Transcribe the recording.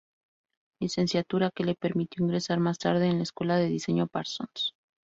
Licenciatura que le permitió ingresar más tarde en la Escuela de diseño Parsons.